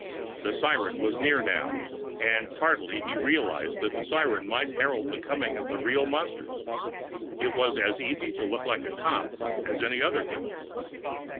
The siren was near now and tardily, he realized that the siren might herald the coming of the real monsters. It was as easy to look like a cop as any other human!